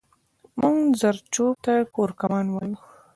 مونږ زرچوب ته کورکمان يايو